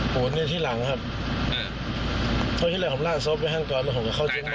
หูนเนี่ยที่หลังครับเอ่อที่แล้วผมล่าโซฟไว้ข้างก่อนแล้วผมก็เข้าจิงมา